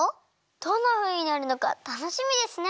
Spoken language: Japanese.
どんなふうになるのかたのしみですね！